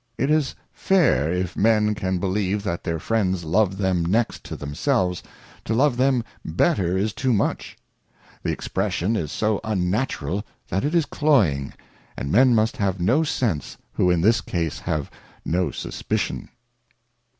It is fair if men can believe that their friends love them next to themselves, to love them better is too much ; the Expression is so unnatural that it is cloying, and men must have no sense, who in this case have no suspicion.